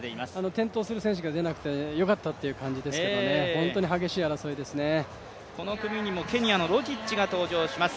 転倒する選手が出なくてよかったという感じですけれども、この組にもケニアのロティッチが登場します。